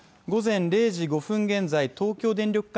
午前０時５分現在東京電力